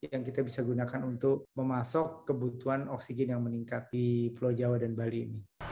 yang kita bisa gunakan untuk memasuk kebutuhan oksigen yang meningkat di pulau jawa dan bali ini